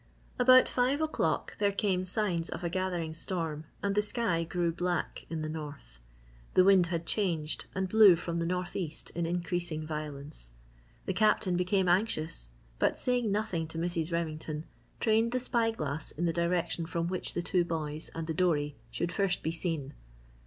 About five o'clock there came signs of a gathering storm and the sky grew black in the north. The wind had changed and blew from the northeast in increasing violence. The Captain became anxious but saying nothing to Mrs. Remington, trained the spyglass in the direction from which the two boys and the dory should first be seen.